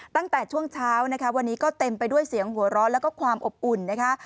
ตั้งแต่ช่วงเช้านะคะวันนี้ก็เต็มไปด้วยเสียงหัวร้อนแล้วก็ความอบอุ่นนะคะ